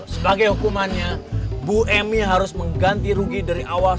sebagai hukumannya bu emy harus mengganti rugi dari awal